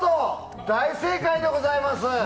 大正解でございます。